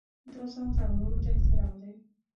دا ځانته او نورو ته احترام دی.